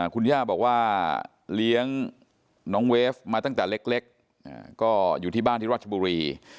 คุณย่าบอกว่าเลี้ยงน้องเวฟมาตั้งแต่เล็กก็อยู่ที่บ้านที่ราชบุรี